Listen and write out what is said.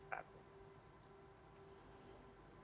kesamapaan juga akan meningkatkan imunitas